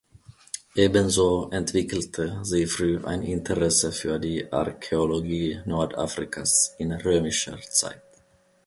Ebenso entwickelte sie früh ein Interesse für die Archäologie Nordafrikas in römischer Zeit.